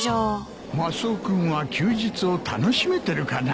マスオ君は休日を楽しめてるかな？